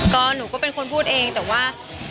ก็หนูก็เป็นคนพูดเองแต่ว่า